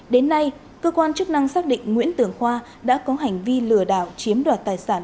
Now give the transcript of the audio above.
đến nay cơ quan chức năng xác định nguyễn tường khoa đã có hành vi lừa đảo chiếm đoạt tài sản